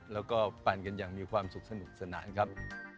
แล้วก็ปั่นกันอย่างมีความสุขสนุกสนานครับ